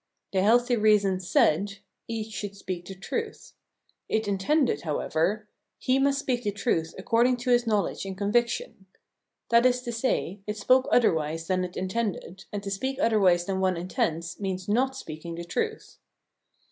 The healthy reason said: "each should speak the truth"; it intended, however: "he must speak the truth according to his knowledge and con 414 Phenomenology of Mind viction." That is to say, it spoke otherwise than it intended, and to speak otherwise than one intends means not speaking the truth.